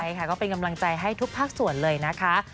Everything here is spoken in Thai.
ใช่ค่ะก็เป็นกำลังใจให้ทุกภาคส่วนเลยนะคะ